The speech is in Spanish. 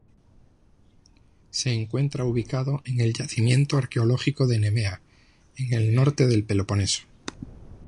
Se encuentra ubicado en el yacimiento arqueológico de Nemea, en el norte del Peloponeso.